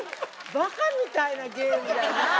ばかみたいなゲームじゃない？